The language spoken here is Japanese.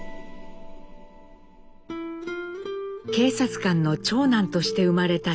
警察官の長男として生まれた雄。